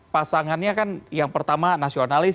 pasangannya kan yang pertama nasionalis